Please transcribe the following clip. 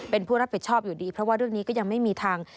เป็นผู้รับผิดชอบอยู่ดีเพราะว่าเรื่องนี้ก็ยังไม่มีทาง